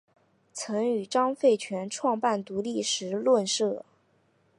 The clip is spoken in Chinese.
曾与张佛泉创办独立时论社。